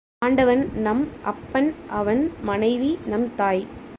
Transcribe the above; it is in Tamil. ஆண்டவன் நம் அப்பன் அவன் மனைவி நம் தாய்.